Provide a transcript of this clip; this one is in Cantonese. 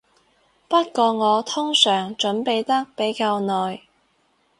不過我通常準備得比較耐